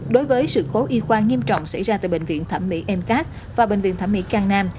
đối với sự cố y khoa nghiêm trọng xảy ra tại bệnh viện thẩm mỹ mcas và bệnh viện thẩm mỹ cang nam